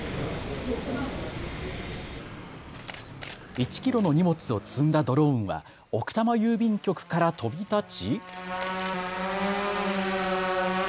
１キロの荷物を積んだドローンは奥多摩郵便局から飛び立ち。